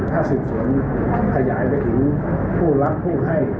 ถ้าสืบสวนขยายไปถึงผู้รับผู้ให้